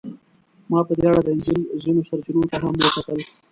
ما په دې اړه د انجیل ځینو سرچینو ته هم وکتل.